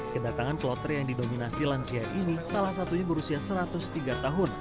kedatangan kloter yang didominasi lansia ini salah satunya berusia satu ratus tiga tahun